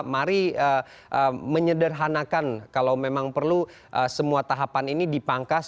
mari menyederhanakan kalau memang perlu semua tahapan ini dipangkas